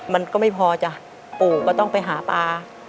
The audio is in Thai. มันก็ไม่พอจ้ะปู่ก็ต้องไปหาปลา